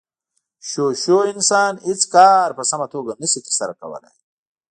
شو شو انسانان هېڅ کار په سمه توګه نشي ترسره کولی.